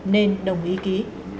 nên đồng ý ký